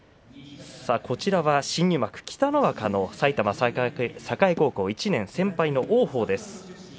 こちらは新入幕、北の若の埼玉栄高校１年先輩の王鵬です。